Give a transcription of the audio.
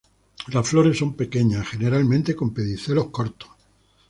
Las flores son pequeñas, generalmente con pedicelos cortos.